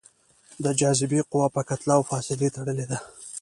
د جاذبې قوه په کتله او فاصلې تړلې ده.